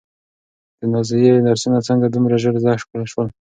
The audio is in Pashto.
د نازيې درسونه څنګه دومره ژر زده شول؟